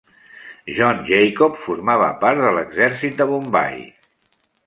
John Jacob formava part de l'exèrcit de Bombai.